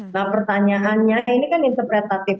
nah pertanyaannya ini kan interpretatif